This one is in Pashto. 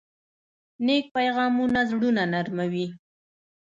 نیک پیغامونه زړونه نرموي.